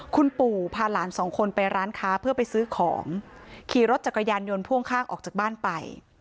คุณปู่พาหลานสองคนไปร้านค้าเพื่อไปซื้อของขี่รถจักรยานยนต์พ่วงข้างออกจากบ้านไป